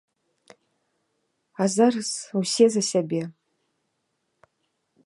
А зараз ўсе за сябе.